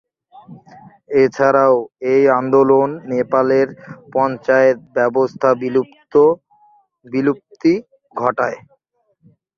এছাড়াও এই আন্দোলন নেপালের পঞ্চায়েত ব্যবস্থার বিলুপ্তি ঘটায়।